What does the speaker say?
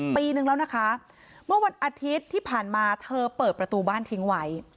ปีนึงแล้วนะคะเมื่อวันอาทิตย์ที่ผ่านมาเธอเปิดประตูบ้านทิ้งไว้